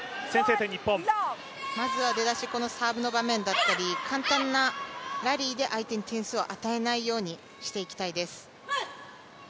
まずは出だし、サーブの場面だったり、簡単なラリーで相手に点数を与えないようにしていきたいです。